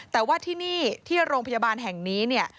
แต่ว่าที่นี่ที่โรงพยาบาลแห่งนี้เนี่ย